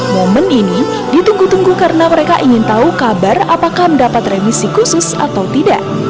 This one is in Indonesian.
momen ini ditunggu tunggu karena mereka ingin tahu kabar apakah mendapat remisi khusus atau tidak